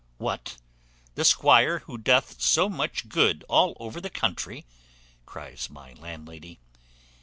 "What, the squire who doth so much good all over the country?" cries my landlady.